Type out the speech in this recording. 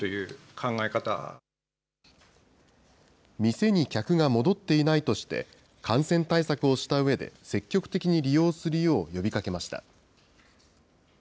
店に客が戻っていないとして、感染対策をしたうえで、積極的に利用するよう呼びかけました。